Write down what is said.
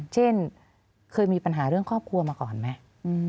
เช่นเคยมีปัญหาเรื่องครอบครัวมาก่อนไหม